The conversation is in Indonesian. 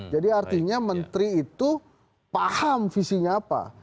artinya menteri itu paham visinya apa